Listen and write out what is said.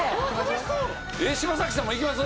柴咲さんも行きます？